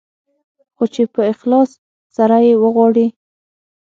خو چې په اخلاص سره يې وغواړې.